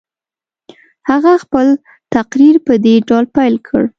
هغه خپل تقریر په دې ډول پیل کړ.